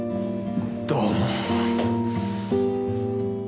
どうも。